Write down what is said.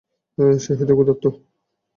সে হয়তো ক্ষুর্ধাত।